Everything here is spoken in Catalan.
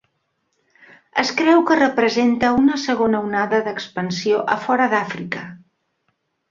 Es creu que representa una segona onada d'expansió a fora d'Àfrica.